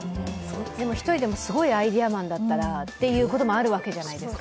でも、１人でもすごいアイデアマンだったらということもあるわけじゃないですか。